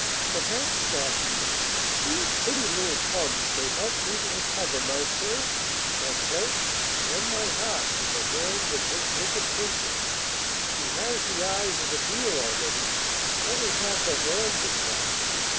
'Perhaps,' thought he, 'these pretty little plums may help me to recover my purse, my cloak, and my heart from the hands of this wicked Princess. She has the eyes of a deer already; let her have the horns of one.